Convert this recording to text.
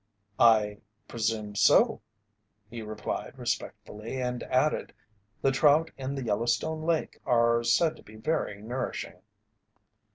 "I presume so," he replied, respectfully, and added: "The trout in the Yellowstone Lake are said to be very nourishing."